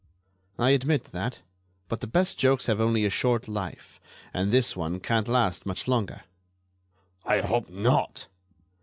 "I admit that; but the best jokes have only a short life, and this one can't last much longer." "I hope not."